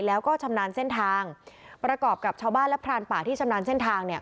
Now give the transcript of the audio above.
แล้วก็ชำนาญเส้นทางประกอบกับชาวบ้านและพรานป่าที่ชำนาญเส้นทางเนี่ย